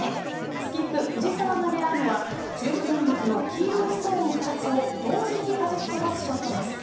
スキップ・藤澤が狙うのは中部電力の黄色いストーン２つを同時にはじき飛ばすショットです。